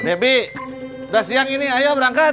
nebi udah siang ini ayo berangkat